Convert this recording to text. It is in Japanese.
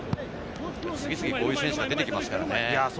次々、こういう選手が出てきますからね。